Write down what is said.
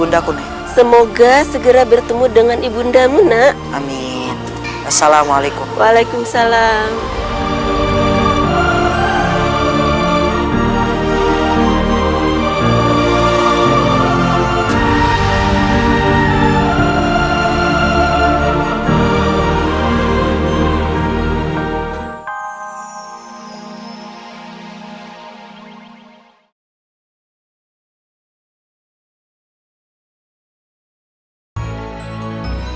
nenek pasti akan menemani